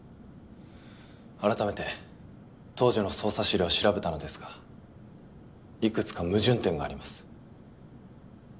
改めて当時の捜査資料を調べたのですがいくつか矛盾点があります。